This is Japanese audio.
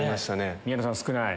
宮野さん少ない。